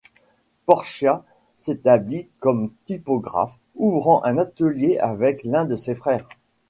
Porchia s'établit comme typographe, ouvrant un atelier avec l'un de ses frères.